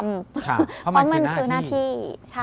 เพราะมันคือหน้าที่